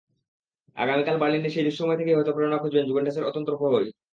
আগামীকাল বার্লিনে সেই দুঃসময় থেকেই হয়তো প্রেরণা খুঁজবেন জুভেন্টাসের অতন্দ্র প্রহরী।